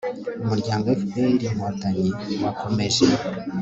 umuryango fpr-inkotanyi wakomeje